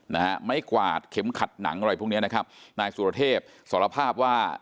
นะฮะไม้กวาดเข็มขัดหนังอะไรพวกเนี้ยนะครับนายสุรเทพสารภาพว่า